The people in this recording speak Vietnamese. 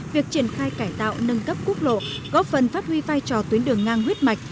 việc triển khai cải tạo nâng cấp quốc lộ góp phần phát huy vai trò tuyến đường ngang huyết mạch